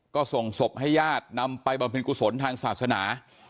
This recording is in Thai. ก็ส่งศพให้ญาตินำไปบำเพ็ญกุศลทางศาสนา